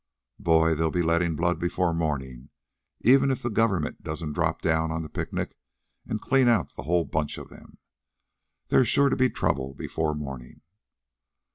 "Boy, they'll be letting blood before morning, even if the Government doesn't drop down on the picnic and clean out the whole bunch of them. There is sure to be trouble before morning."